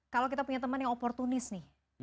kalau kita punya teman yang oportunis nih